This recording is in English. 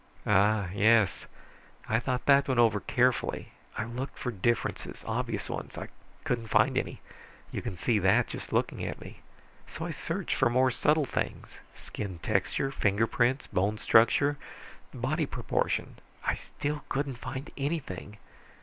"Ah, yes. I thought that over carefully. I looked for differences, obvious ones. I couldn't find any. You can see that, just looking at me. So I searched for more subtle things. Skin texture, fingerprints, bone structure, body proportion. I still couldn't find anything.